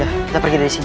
ayo kita pergi dari sini